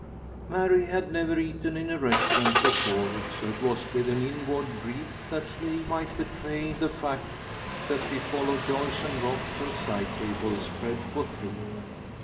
Mary had never eaten in a restaurant before, so it was with an inward dread that she might betray the fact that she followed Joyce and Rob to a side table spread for three.